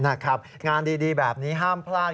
นะครับงานดีแบบนี้ห้ามพลาด